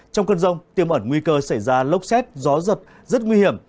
trong cơn rông tiêm ẩn nguy cơ xảy ra lốc xét gió giật rất nguy hiểm